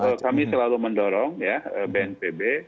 nah itu kami selalu mendorong ya bnpb